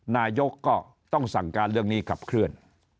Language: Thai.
นายกก็ต้องสั่งการเรื่องนี้ขับเคลื่อน